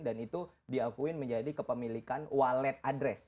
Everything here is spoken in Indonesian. dan itu diakui menjadi kepemilikan wallet address